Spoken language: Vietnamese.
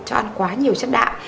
cho ăn quá nhiều chất đạm